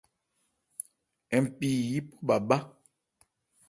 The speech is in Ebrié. Npi yípɔ bhâ bhá ?